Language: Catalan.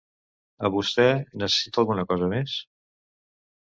A vostè, necessita alguna cosa més?